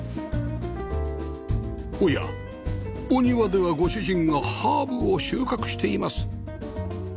おやお庭ではご主人がハーブを収穫しています